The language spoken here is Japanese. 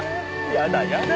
やだやだ。